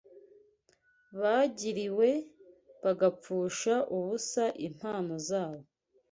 bagiriwe, bagapfusha ubusa impano zabo